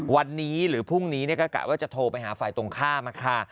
วันนี้หรือพรุ่งนี้ก็กะว่าจะโทรไปหาฝ่ายตรงข้ามค่ะ